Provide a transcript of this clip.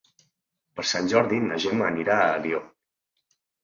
Per Sant Jordi na Gemma anirà a Alió.